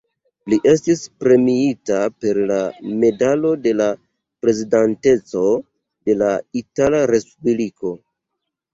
Li estis premiita per la Medalo de la Prezidanteco de la Itala Respubliko.